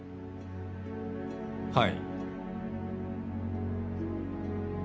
はい。